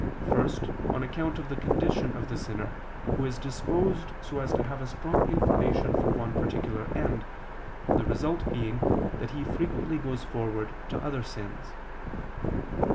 First, on account of the condition of the sinner, who is disposed so as to have a strong inclination for one particular end, the result being that he frequently goes forward to other sins.